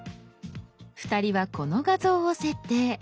２人はこの画像を設定。